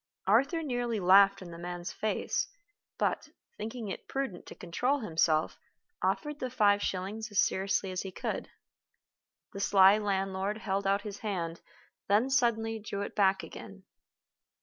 Arthur nearly laughed in the man's face; but, thinking it prudent to control himself, offered the five shillings as seriously as he could. The sly landlord held out his hand, then suddenly drew it back again.